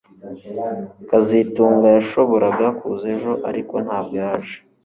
kazitunga yashoboraga kuza ejo ariko ntabwo yaje